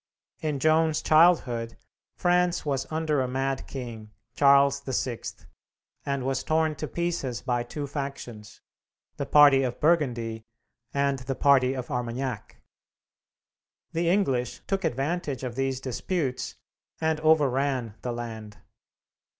In Joan's childhood France was under a mad king, Charles VI, and was torn to pieces by two factions, the party of Burgundy and the party of Armagnac. The English took advantage of these disputes, and overran the land.